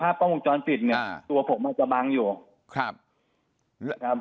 ตอนติดเนี่ยตัวผมมันจะบางอยู่